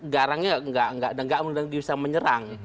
garangnya tidak bisa menyerang